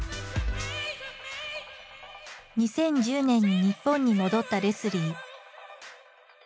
２０１０年に日本に戻ったレスリー。